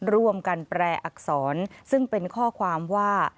ร่วมกันแปรอักษรซึ่งเป็นข้อความว่า